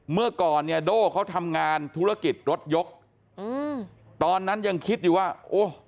เมื่อก่อนเนี่ยโด่เขาทำงานธุรกิจรถยกอืมตอนนั้นยังคิดอยู่ว่าโอ้